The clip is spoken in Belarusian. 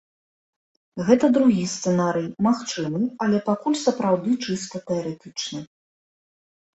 Гэта другі сцэнарый, магчымы, але пакуль сапраўды чыста тэарэтычны.